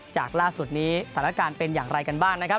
จากล่าสุดนี้สถานการณ์เป็นอย่างไรกันบ้างนะครับ